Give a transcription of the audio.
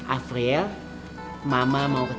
april mama mau ketemu